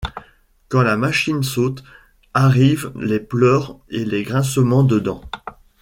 Quand la machine saute, arrivent les pleurs et les grincements de dents !